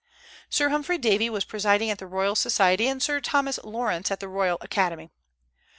Sir Humphry Davy was presiding at the Royal Society, and Sir Thomas Lawrence at the Royal Academy.